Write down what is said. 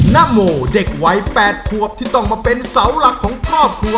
นโมเด็กวัย๘ขวบที่ต้องมาเป็นเสาหลักของครอบครัว